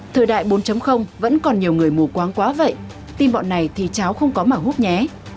thời đại bốn vẫn còn nhiều người mù quáng quá vậy tin bọn này thì cháu không có mà hút nhé